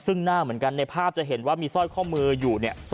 ซึ่งหน้าเหมือนกันในภาพจะเห็นว่ามีสร้อยข้อมืออยู่เนี่ย